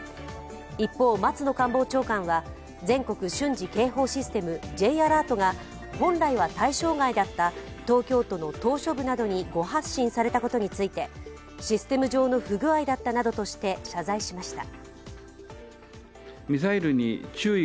一方、松野官房長官は、全国瞬時警報システム、Ｊアラートが本来は対象外だった東京都の島しょ部などに誤発信されたことについて、システム上の不具合だったなどとして謝罪しました。